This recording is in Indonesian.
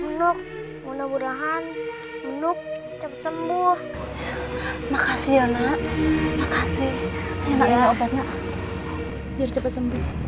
menuk mudah mudahan menuk cep sembuh makasih anak makasih enaknya obatnya biar cepet sembuh